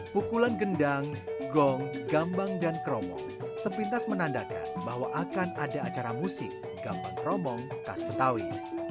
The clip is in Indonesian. pukulan gendang gong gambang dan kromong sepintas menandakan bahwa akan ada acara musik gambang kromong tas betawi